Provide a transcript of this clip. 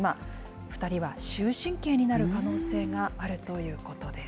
２人は終身刑になる可能性があるということです。